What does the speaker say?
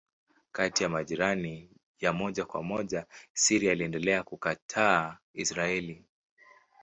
Kati ya majirani ya moja kwa moja Syria iliendelea kukataa Israeli.